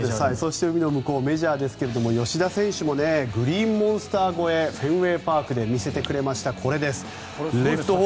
海の向こうのメジャー吉田選手もグリーンモンスター越えフェンウェイパークで見せてくれました。